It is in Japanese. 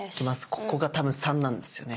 ここが多分３なんですよね。